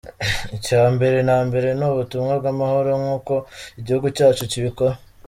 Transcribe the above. Icya mbere na mbere ni ubutumwa bw’amahoro nk’uko igihugu cyacu cyibikora.